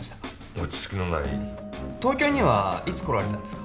落ち着きのない東京にはいつ来られたんですか？